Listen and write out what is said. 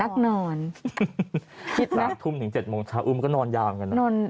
คิด๓ทุ่มถึง๗โมงเช้าเออมันก็นอนยาวอย่างนั้น